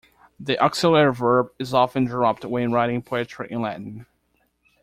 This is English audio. The auxiliary verb is often dropped when writing poetry in Latin.